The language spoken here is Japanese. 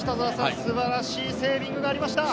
素晴らしいセービングがありました。